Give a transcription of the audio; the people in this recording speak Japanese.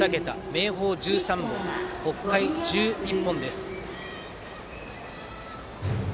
明豊、１３本北海、１１本です。